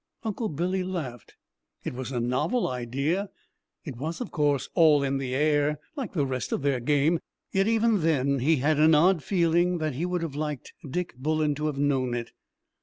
Uncle Billy laughed. It was a novel idea; it was, of course, "all in the air," like the rest of their game, yet even then he had an odd feeling that he would have liked Dick Bullen to have known it.